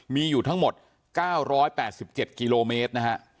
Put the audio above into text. มีอยู่ทั้งหมด๙๘๗กิโลเมตรนะฮะ